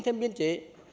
thêm biên chế